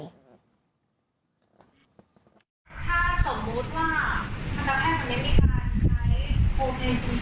ถ้าสมมุติว่าทันตะแพทย์คนไหนในการใช้โคเมนจริงรวดลงโทษ